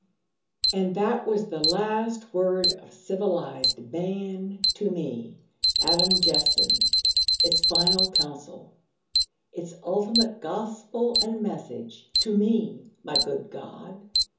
And that was the last word of civilised Man to me, Adam Jeffson its final counsel its ultimate gospel and message to me, my good God!